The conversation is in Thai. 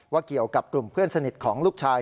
เกี่ยวกับกลุ่มเพื่อนสนิทของลูกชาย